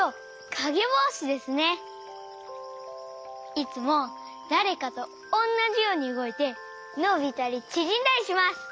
いつもだれかとおんなじようにうごいてのびたりちぢんだりします！